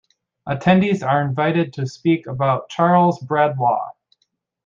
Attendees are invited to speak about Charles Bradlaugh.